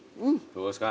どうですか。